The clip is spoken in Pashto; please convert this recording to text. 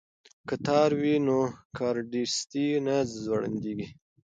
که تار وي نو کارډستي نه ځوړندیږي.